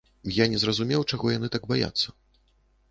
Я не зразумеў, чаго яны так баяцца.